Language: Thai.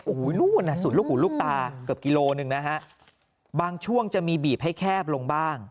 โอ้โหนู่นน่ะสุดลูกหูลูกตาเกือบกิโลหนึ่งนะฮะบางช่วงจะมีบีบให้แคบลงบ้าง